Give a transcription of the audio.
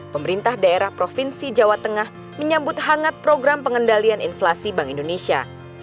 pemerintah daerah provinsi jawa tengah menyambut hangat program pengendalian inflasi bank indonesia